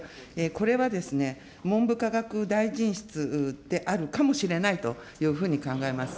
これは文部科学大臣室であるかもしれないというふうに考えます。